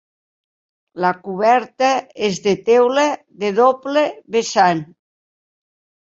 La coberta és de teula de doble vessant.